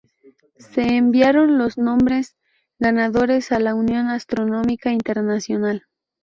Se enviaron los nombres ganadores a la Unión Astronómica Internacional.